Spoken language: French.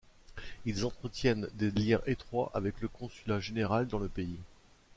Ils entretiennent des liens étroits avec le Consulat général dans le pays.